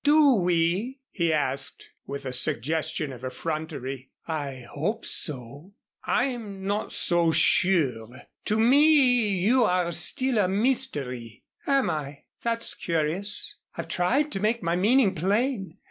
"Do we?" he asked with a suggestion of effrontery. "I hope so." "I'm not so sure. To me you are still a mystery." "Am I? That's curious. I've tried to make my meaning plain.